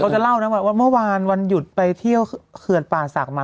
จะเล่านะว่าเมื่อวานวันหยุดไปเที่ยวเขื่อนป่าศักดิ์มา